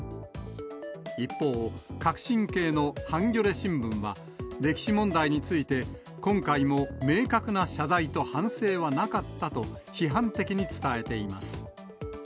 一方、革新系のハンギョレ新聞は、歴史問題について、今回も明確な謝罪と反省はなかったと、批判的に伝えています。